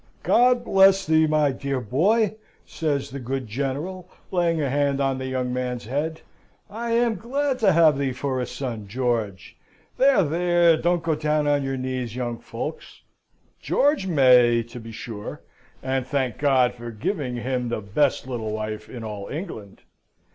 "God bless thee, my dear boy!" says the good General, laying a hand on the young man's head. "I am glad to have thee for a son, George. There, there, don't go down on your knees, young folks! George may, to be sure, and thank God for giving him the best little wife in all England.